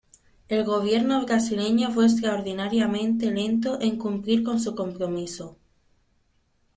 El Gobierno brasileño fue extraordinariamente lento en cumplir con su compromiso.